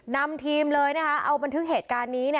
นำทีมเลยเอาบันทึกเหตุการณ์นี้